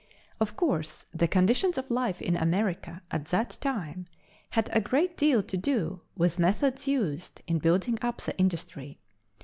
Of course, the conditions of life in America at that time had a great deal to do with methods used in building up the industry.